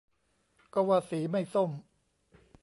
ก็ว่าสีไม่ส้ม